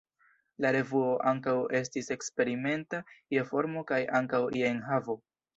La revuo ankaŭ estis eksperimenta je formo kaj ankaŭ je enhavo.